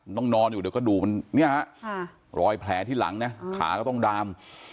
นอนอยู่เดี๋ยวก็ดูมันเนี่ยฮะรอยแผลที่หลังนะขาก็ต้องดาม